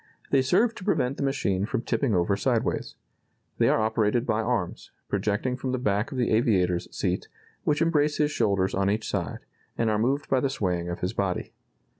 They serve to prevent the machine from tipping over sideways. They are operated by arms, projecting from the back of the aviator's seat, which embrace his shoulders on each side, and are moved by the swaying of his body.